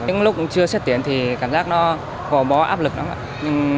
những lúc chưa xét tuyển thì cảm giác nó bỏ bỏ áp lực lắm